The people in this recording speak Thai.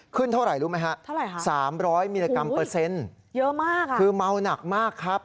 ขึ้นเท่าไหร่รู้ไหมครับสามร้อยมิลลิกรัมเปอร์เซ็นต์คือเมาหนักมากครับ